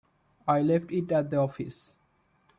I left it at the office.